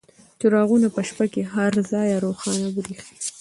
چراغونه په شپې کې له هر ځایه روښانه بریښي.